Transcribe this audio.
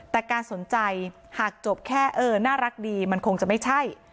แต่การสนใจหากจบแค่เออน่ารักดีมันคงจะไม่ใช่